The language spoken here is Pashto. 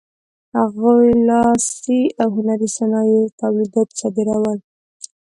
هغوی لاسي او هنري صنایعو تولیدات صادرول.